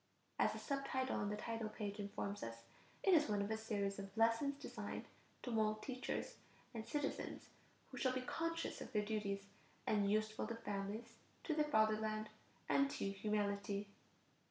As the sub title on the title page informs us, it is one of a series of "lessons designed to mold teachers and citizens who shall be conscious of their duties, and useful to families, to their fatherland, and to humanity."